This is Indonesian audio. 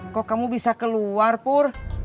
kok kamu bisa keluar pur